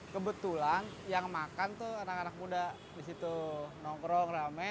kebetulan yang makan tuh anak anak muda di situ nongkrong rame